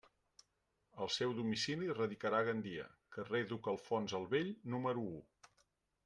El seu domicili radicarà a Gandia, carrer Duc Alfons el Vell número u.